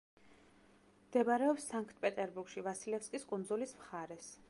მდებარეობს სანქტ-პეტერბურგში, ვასილევსკის კუნძულის მხარეს.